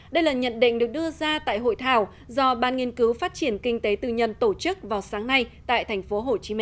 đây là nhận định được đưa ra tại hội thảo do ban nghiên cứu phát triển kinh tế tư nhân tổ chức vào sáng nay tại tp hcm